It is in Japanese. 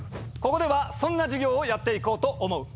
ここではそんな授業をやっていこうと思う。